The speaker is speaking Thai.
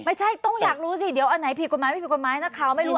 ไม่ใช่ต้องอยากรู้สิเดี๋ยวอันไหนผิดกฎหมายน่ะคราวน่ะไม่รู้